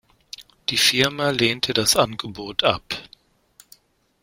Die Firma lehnte das Angebot ab.